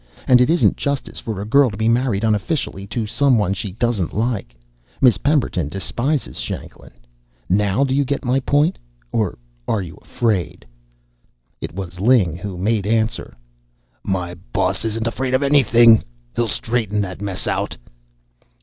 And it isn't justice for a girl to be married unofficially to someone she doesn't like. Miss Pemberton despises Shanklin. Now, do you get my point, or are you afraid?" It was Ling who made answer: "My boss isn't afraid of anything. He'll straighten that mess out."